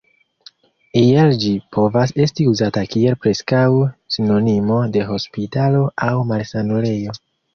Iel ĝi povas esti uzata kiel preskaŭ sinonimo de hospitalo aŭ malsanulejo.